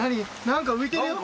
何か浮いてるよ。